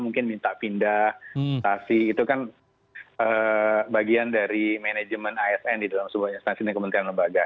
mungkin minta pindah instasi itu kan bagian dari manajemen asn di dalam sebuah instansi dan kementerian lembaga